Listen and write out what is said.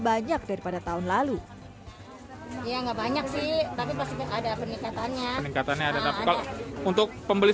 banyak daripada tahun lalu ya nggak banyak sih tapi pasti ada peningkatannya peningkatan untuk pembeli